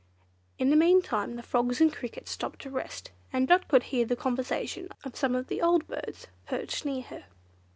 In the meantime the frogs and crickets stopped to rest, and Dot could hear the conversation of some of the old birds perched near her.